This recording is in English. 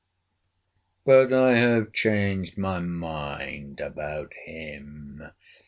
But I have changed my mind about him.